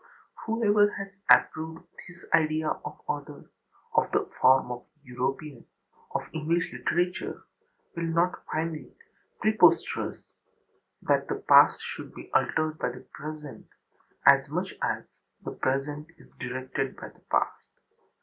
Whoever has approved this idea of order, of the form of European, of English literature, will not find it preposterous that the past should be altered by the present as much as the present is directed by the past.